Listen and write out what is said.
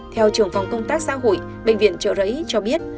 theo trưởng phòng công tác xã hội bệnh viện trợ rẫy cho biết